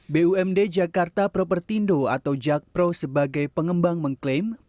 bumd jakarta propertindo atau jakpro sebagai pengembang mengklaim